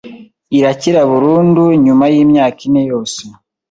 irakira burundu nyuma y’imyaka ine yose